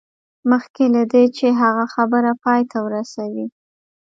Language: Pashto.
مخکې له دې چې هغه خبره پای ته ورسوي